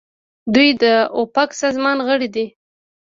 دوی د اوپک سازمان غړي دي.